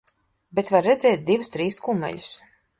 Bet var redzēt divus, trīs kumeļus.